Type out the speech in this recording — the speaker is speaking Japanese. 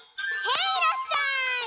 へいらっしゃい！